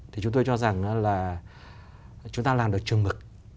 thì chúng tôi cho rằng là chúng ta làm được trường mực